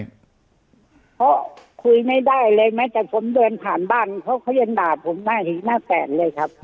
เพราะคุยไม่ได้เลยแม้แต่ผมเดินผ่านบ้านเพราะเขายังด่าผมหน้าแฟนเลยครับ